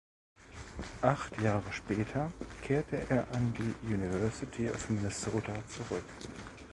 Acht Jahre später kehrte er an die University of Minnesota zurück.